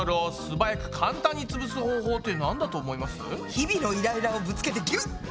日々のイライラをぶつけてぎゅっ！